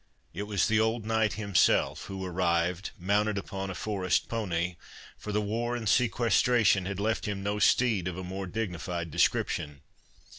It was the old knight himself, who arrived, mounted upon a forest pony, for the war and sequestration had left him no steed of a more dignified description.